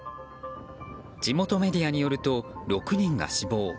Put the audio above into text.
地元メディアによると６人が死亡。